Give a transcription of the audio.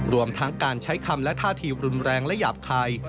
รวมทั้งการใช้คำและท่าทีรุนแรงและหยาบคาย